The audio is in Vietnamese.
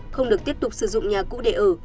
không được tiếp tục sử dụng nhà cũ để ở